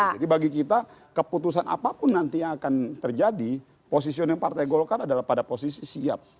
bagi kita keputusan apapun nanti yang akan terjadi posisioning partai golkar adalah pada posisi siap